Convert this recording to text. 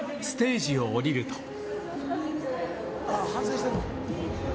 ステージを降りると。